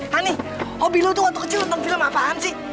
hani hobi lo tuh waktu kecil nonton film apaan sih